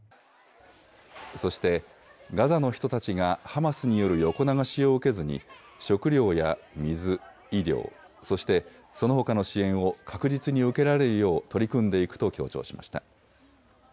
そしてガザの人たちがハマスによる横流しを受けずに食料や水、医療、そしてそのほかの支援を確実に受けられるよう取り組んでいくと強調しました。